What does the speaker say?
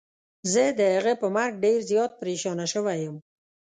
زه د هغه په مرګ ډير زيات پريشانه سوی يم.